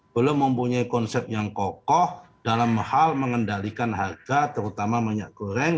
belum mempunyai konsep yang kokoh dalam hal mengendalikan harga terutama minyak goreng